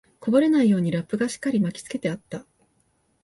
こぼれないようにラップがしっかり巻きつけてあった